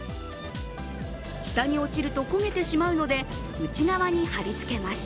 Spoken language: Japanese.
下に落ちると焦げてしまうので、内側に貼り付けます。